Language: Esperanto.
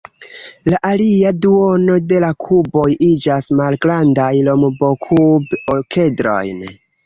La alia duono de la kuboj iĝas malgrandajn rombokub-okedrojn.